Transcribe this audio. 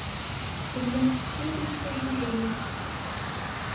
Tellam tettwalim tilizṛi.